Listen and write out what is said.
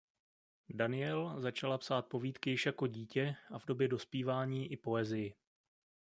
Danielle začala psát povídky již jako dítě a v době dospívání i poezii.